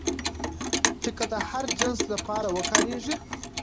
چې که د هر جنس لپاره وکارېږي